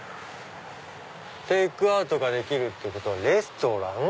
「テイクアウト」ってことはレストラン？